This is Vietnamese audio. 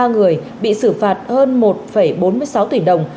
chín trăm tám mươi ba người bị xử phạt hơn một bốn mươi sáu tỷ đồng